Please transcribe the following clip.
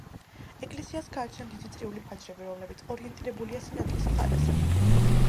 ეკლესიას გააჩნია დიდი წრიული ფანჯრები, რომლებიც ორიენტირებულია სინათლის მხარეზე.